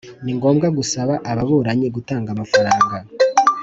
Ni ngombwa gusaba ababuranyi gutanga amafaranga